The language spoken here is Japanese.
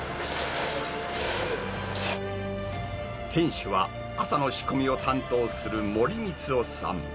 店主は朝の仕込みを担当する森光雄さん。